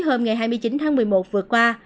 hôm ngày hai mươi chín tháng một mươi một vừa qua